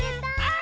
あ！